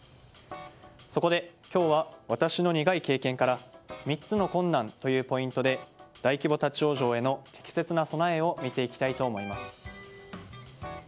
そこで今日は、私の苦い経験から３つの困難というポイントで大規模立ち往生への適切な備えを見ていきたいと思います。